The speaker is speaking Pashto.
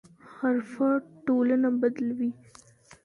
حرفه ټولنه بدلوي.